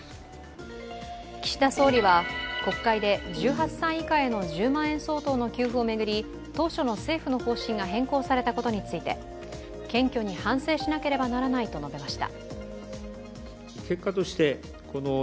岸田総理は国会で１８歳以下への１０万円相当の給付を巡り当初の政府の方針が変更されたことについて謙虚に反省しなければならないと述べました。